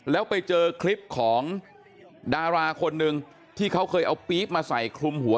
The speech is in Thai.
แล้วไปเจอคลิปของดาราคนหนึ่งที่เขาเคยเอาปี๊บมาใส่คลุมหัว